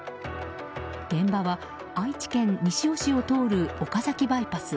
現場は愛知県西尾市を通る岡崎バイパス。